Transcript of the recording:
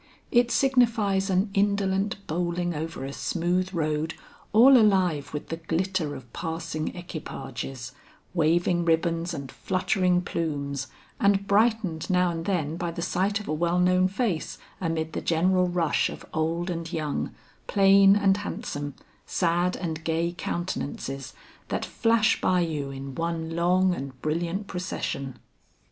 It signifies an indolent bowling over a smooth road all alive with the glitter of passing equipages, waving ribbons and fluttering plumes, and brightened now and then by the sight of a well known face amid the general rush of old and young, plain and handsome, sad and gay countenances that flash by you in one long and brilliant procession.